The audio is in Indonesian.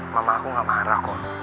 mama aku gak marah kok